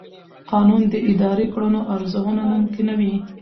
قانون د اداري کړنو ارزونه ممکنوي.